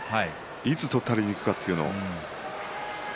いつ、とったりにいくかというのを。